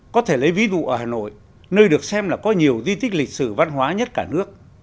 có thể lấy ví dụ ở hà nội nơi được xem là có nhiều di tích lịch sử văn hóa nhất cả nước